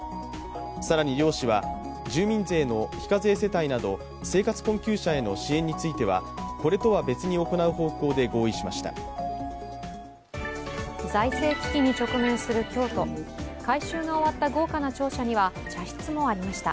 更に両氏は住民税の非課税世帯など生活困窮者への支援についてはこれとは別に行う方向で合意しました。